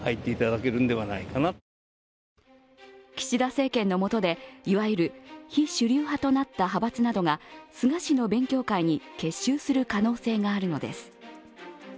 岸田政権のもとで、いわゆる非主流派となった派閥などが菅氏の勉強会に結集する可能性があるのです。